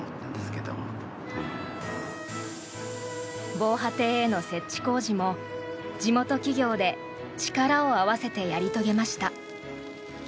防波堤への設置工事も地元企業で力を合わせてやり遂げました。